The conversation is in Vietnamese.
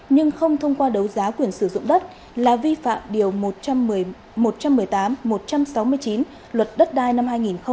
nhưng không thông qua đấu giá quyền sử dụng đất là vi phạm điều một trăm một mươi tám một trăm sáu mươi chín luật đất đai năm hai nghìn một mươi ba